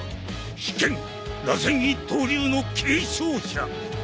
秘剣螺旋一刀流の継承者。